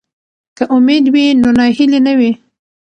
که امید وي نو ناهیلي نه وي.